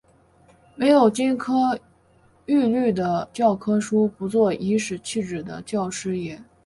没有金科绿玉的教科书，不做颐使气指的教师爷